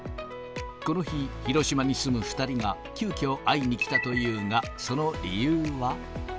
この日、広島に住む２人が急きょ、会いに来たというが、その理由は。